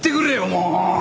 もう。